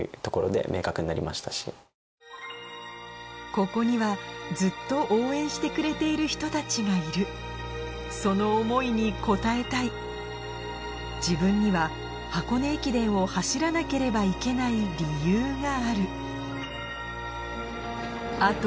ここにはずっと応援してくれている人たちがいるその思いに応えたい自分には箱根駅伝を走らなければいけない理由があるあと